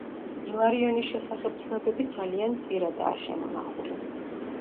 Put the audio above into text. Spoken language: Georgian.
ილარიონის შესახებ ცნობები ძალიან მწირადაა შემონახული.